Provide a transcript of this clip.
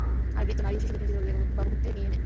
আর বৃদ্ধ, নারী ও শিশুদেরকে নিজেদের অভিভাবকত্বে নিয়ে নেয়।